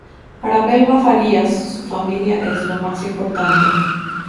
Para Melba Farías su familia es lo más importante.